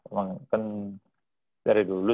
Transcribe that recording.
emang kan dari dulu